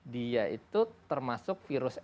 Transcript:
dia itu termasuk virus